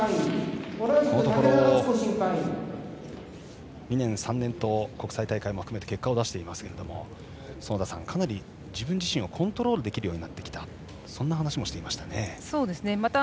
このところ２年３年と国際大会も含めて結果を出していますが園田さん、かなり自分自身をコントロールできるようになってきたとも話していました。